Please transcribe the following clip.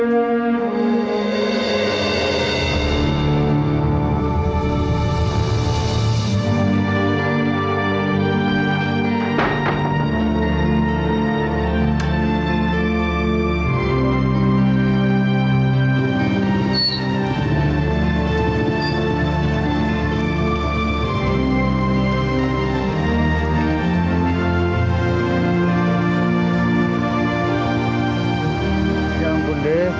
bapak dateng kesini